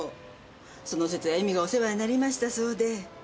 その節は恵美がお世話になりましたそうで。